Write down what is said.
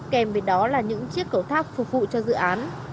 kèm với đó là những chiếc cầu tháp phục vụ cho dự án